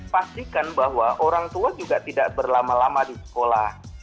pastikan bahwa orang tua juga tidak berlama lama di sekolah